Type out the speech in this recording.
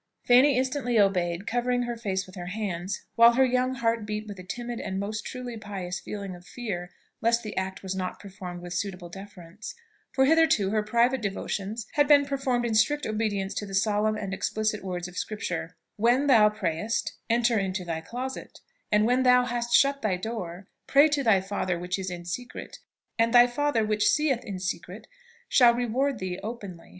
Fanny instantly obeyed, covering her face with her hands, while her young heart beat with a timid and most truly pious feeling of fear lest the act was not performed with suitable deference; for hitherto her private devotions had been performed in strict obedience to the solemn and explicit words of Scripture "_When thou prayest, enter into thy closet, and when thou hast shut thy door, pray to thy Father which is in secret; and thy Father which seeth in secret shall reward thee openly.